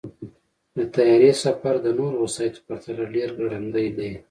د طیارې سفر د نورو وسایطو پرتله ډېر ګړندی دی.